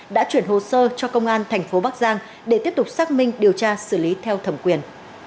đã chuyển hồ sơ cho công an thành phố bắc giang để tiếp tục xác minh điều tra xử lý theo thẩm quyền